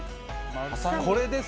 これですね。